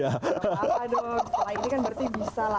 apa dong setelah ini kan berarti bisa lah